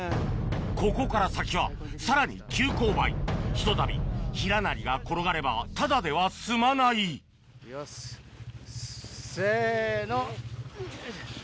ここから先はさらに急勾配ひとたびヒラナリが転がればただでは済まないせの。